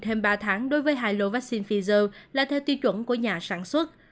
thêm ba tháng đối với hai lô vaccine pfizer là theo tiêu chuẩn của nhà sản xuất